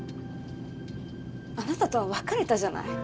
あなたとは別れたじゃない。